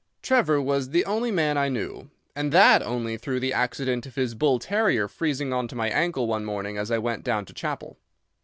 Trevor was the only man I knew, and that only through the accident of his bull terrier freezing on to my ankle one morning as I went down to chapel.